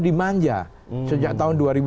dimanja sejak tahun dua ribu